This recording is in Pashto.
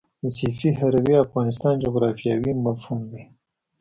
د سیفي هروي افغانستان جغرافیاوي مفهوم دی.